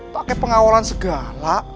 pakai pengawalan segala